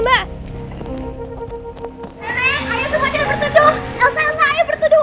nenek ayo semua jangan berteduh